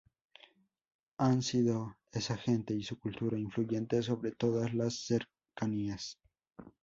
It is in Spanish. Han sido, esa gente y su cultura, influyentes sobre todas las cercanías.